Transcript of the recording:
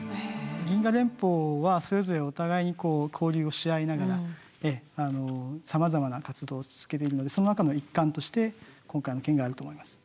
銀河連邦はそれぞれお互いに交流をし合いながらさまざまな活動を続けているのでその中の一環として今回の件があると思います。